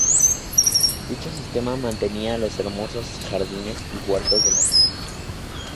Dicho sistema mantenía los hermosos jardines y huertos de la misión.